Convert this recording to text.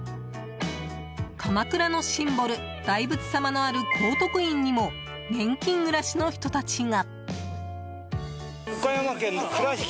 鎌倉のシンボル、大仏様のある高徳院にも年金暮らしの人たちが。